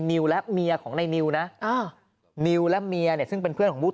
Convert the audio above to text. นิวและเมียของในนิวนะนิวและเมียเนี่ยซึ่งเป็นเพื่อนของผู้